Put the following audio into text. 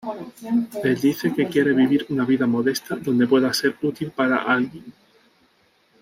Él dice que quiere vivir una vida modesta donde pueda ser útil para alguien.